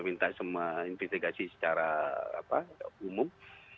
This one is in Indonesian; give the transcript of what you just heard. minta semua investigasi secara umum